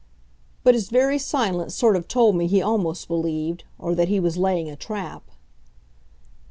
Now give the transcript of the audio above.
But his very silence sort of told me he almost believed, or that he was laying a trap.